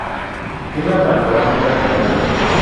Una panorámica general".